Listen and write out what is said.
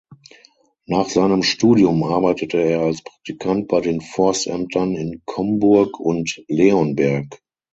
Nach seinem Studium arbeitete er als Praktikant bei den Forstämtern in Comburg und Leonberg.